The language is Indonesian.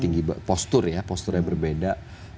tinggi postur ya posturnya berbeda